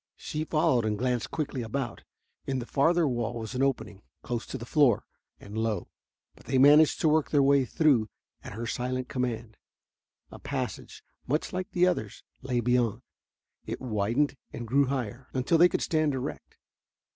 She followed and glanced quickly about. In the farther wall was an opening, close to the floor, and low, but they managed to work their way through at her silent command. A passage, much like the others, lay beyond. It widened and grew higher, until they could stand erect.